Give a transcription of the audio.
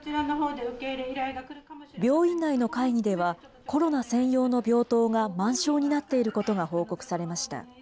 病院内の会議では、コロナ専用の病棟が満床になっていることが報告されました。